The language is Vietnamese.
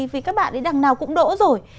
vì các bạn ấy đằng nào cũng đổ rồi